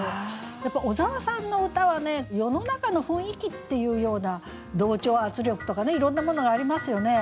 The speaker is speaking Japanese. やっぱ小沢さんの歌は世の中の雰囲気っていうような同調圧力とかねいろんなものがありますよね。